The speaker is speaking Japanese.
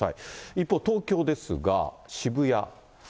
一方、東京ですが、渋谷。